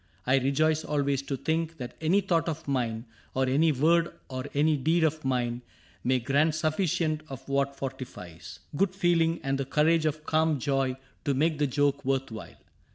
I rejoice Always to think that any thought of mine, Or any word or any deed of mine. May grant suflicient of what fortifies Good feeling and the courage of calm joy CAPTAIN CRAIG 59 To make the joke worth while.